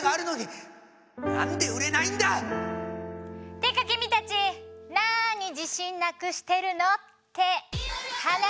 てか君たちなに自信なくしてるのって話！